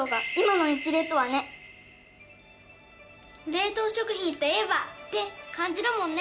冷凍食品といえばって感じだもんね。